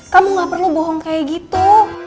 kamu gak perlu bohong kayak gitu